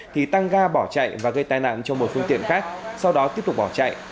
thì tăng ga bỏ chạy và gây tai nạn cho một phương tiện khác sau đó tiếp tục bỏ chạy